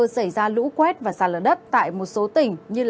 xin chào các bạn